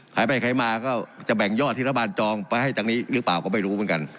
ขายไปขายมาก็จะแบ่งยอดที่รัฐบาลจองไปให้ทางนี้หรือเปล่าก็ไม่รู้เหมือนกัน